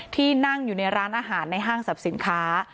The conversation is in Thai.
ที่นั่งอยู่ในร้านอาหารในห้างสรรพสินค้า